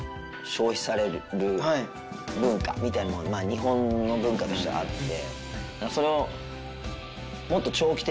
日本の文化としてあって。